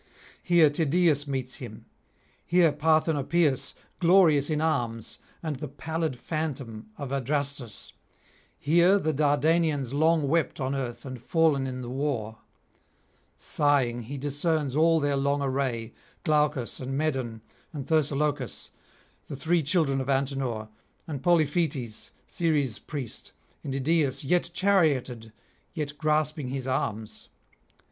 Here Tydeus meets him; here Parthenopaeus, glorious in arms, and the pallid phantom of Adrastus; here the Dardanians long wept on earth and fallen in the war; sighing he discerns all their long array, Glaucus and Medon and Thersilochus, the three children of Antenor, and Polyphoetes, Ceres' priest, and Idaeus yet charioted, yet grasping his arms.